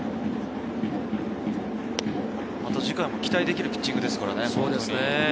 また次回も期待できるピッチングですからね。